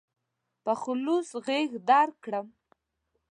په خلوص غېږ درکړم.